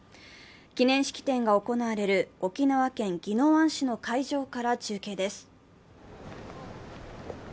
記念式典が行われる沖縄県宜野湾市の会場から中継です。